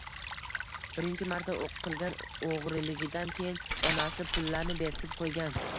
Birinchi marta qilgan o‘g‘riligidan keyin onasi pullarni berkitib qo‘ygan.